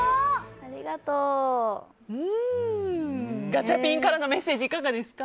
ガチャピンからのメッセージいかがですか？